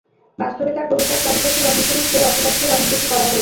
বাস্তবে তাঁর কবিতার চাবিকাঠির অন্বেষণের চেয়ে অপব্যাখ্যাই অনেক বেশি করা হয়েছে।